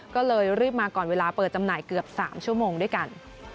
ก็เลยรีบมาก่อนเวลาเปิดจำหน่ายเกือบ๓ชั่วโมงด้วยกัน